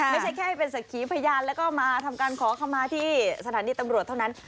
ไม่ใช่แค่เป็นสักขีพยานแล้วก็มาทำการขอคำมาที่สถานีตำรวจเท่านั้น